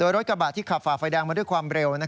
รถกระบะที่ขับฝ่าไฟแดงมาด้วยความเร็ว